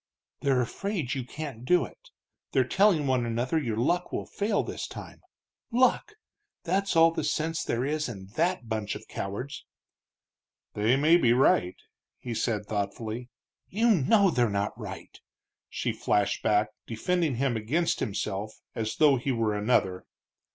"They're afraid you can't do it, they're telling one another your luck will fail this time. Luck! that's all the sense there is in that bunch of cowards." "They may be right," he said, thoughtfully. "You know they're not right!" she flashed back, defending him against himself as though he were another.